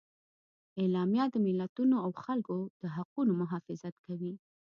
اعلامیه د ملتونو او خلکو د حقونو محافظت کوي.